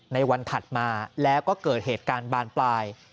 ในวันถัดมาแล้วก็เกิดเหตุการณ์บานปลาย